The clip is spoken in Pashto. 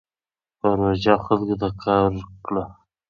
پروژه خلکو ته کار ورکړ.